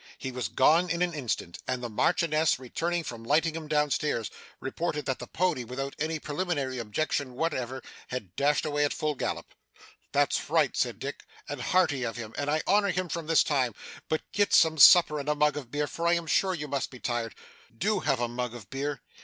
He was gone in an instant; and the Marchioness, returning from lighting him down stairs, reported that the pony, without any preliminary objection whatever, had dashed away at full gallop. 'That's right!' said Dick; 'and hearty of him; and I honour him from this time. But get some supper and a mug of beer, for I am sure you must be tired. Do have a mug of beer.